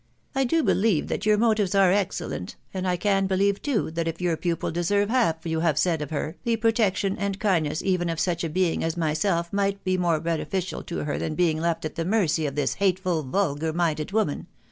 " I do believe that your motives are excellent ; and I can believe, too, that if your pupil deserve half you have said of her, the protection and kindness even of such a being as myself might be more beneficial to her than being left at the mercy of this hateful, vulgar minded woman.